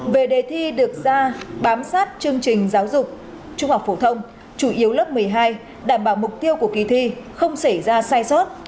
về đề thi được ra bám sát chương trình giáo dục trung học phổ thông chủ yếu lớp một mươi hai đảm bảo mục tiêu của kỳ thi không xảy ra sai sót